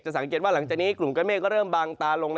สังเกตว่าหลังจากนี้กลุ่มก้อนเมฆก็เริ่มบางตาลง